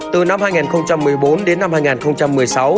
từ năm hai nghìn một mươi bốn đến năm hai nghìn một mươi sáu